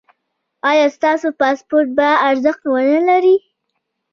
ایا ستاسو پاسپورت به ارزښت و نه لري؟